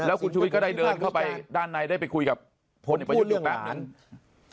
และคุณชุมีก็ได้เดินเข้าไปด้านในได้ไปคุยกับคนในประโยชน์เวรื่อแปบนึง